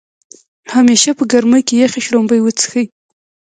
همیشه په ګرمۍ کې يخې شړومبۍ وڅښئ